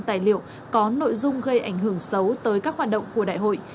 tài liệu có nội dung gây ảnh hưởng xấu tới các hoạt động của đại hội